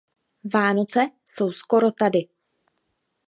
Vánoce jsou skoro tady.